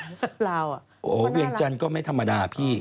ก็น่ารักอ่ะโอ้เวียงจันทร์ก็ไม่ธรรมดาพี่